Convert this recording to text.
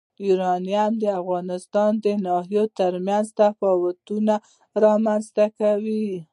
یورانیم د افغانستان د ناحیو ترمنځ تفاوتونه رامنځ ته کوي.